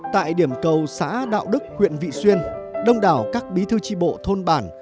tại điểm cầu xã đạo đức huyện vị xuyên đông đảo các bí thư tri bộ thôn bản